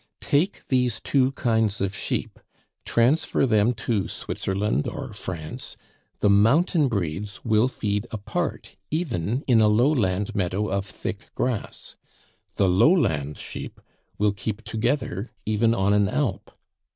Take these two kinds of sheep, transfer them to Switzerland or France; the mountain breeds will feed apart even in a lowland meadow of thick grass, the lowland sheep will keep together even on an alp.